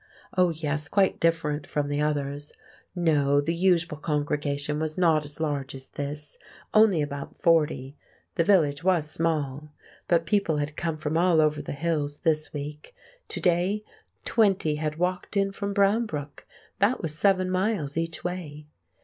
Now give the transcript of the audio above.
Oh, yes, quite different from the others. No, the usual congregation was not as large as this, only about forty; the village was small. But people had come from all over the hills this week; to day twenty had walked in from Brownbrook—that was seven miles each way.